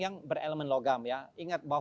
yang berelemen logam ya ingat bahwa